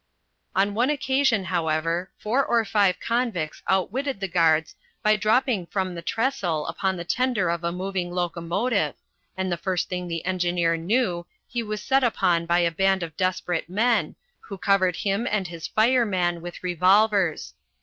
On one occasion, however, four or five convicts out witted the guards by dropping from the trestle upon the tender of a moving locomotive, and the first thing the engineer knew he was set upon by a band of desperate men, who covered him and his fireman with revolvers.